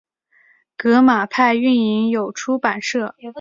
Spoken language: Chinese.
革马派运营有出版社。